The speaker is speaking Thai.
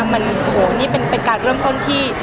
มันนี่เป็นการเริ่มต้นที่